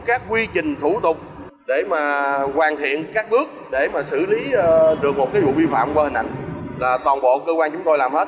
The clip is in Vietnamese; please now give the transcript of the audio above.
các quy trình thủ tục để mà hoàn thiện các bước để mà xử lý được một vụ vi phạm qua hình ảnh là toàn bộ cơ quan chúng tôi làm hết